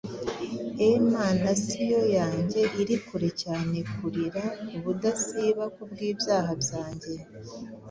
Emanasiyo yanjye iri kure cyane kurira ubudasiba kubwibyaha byanjye.